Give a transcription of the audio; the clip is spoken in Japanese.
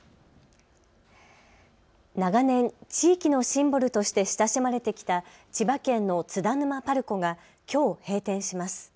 長年、地域のシンボルとして親しまれてきた千葉県の津田沼パルコがきょう閉店します。